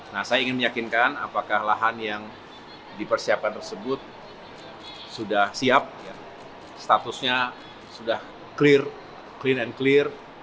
nah saya ingin meyakinkan apakah lahan yang dipersiapkan tersebut sudah siap statusnya sudah clear clean and clear